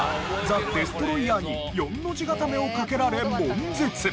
デストロイヤーに４の字固めをかけられ悶絶。